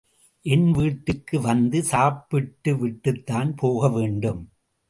என் வீட்டுக்கு வந்து சாப்பிட்டு விட்டுத்தான் போகவேண்டும்.